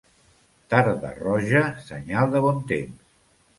Tarda roja, senyal de bon temps.